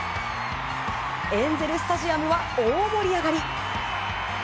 エンゼル・スタジアムは大盛り上がり。